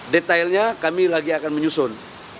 detailnya kami lagi akan menyusun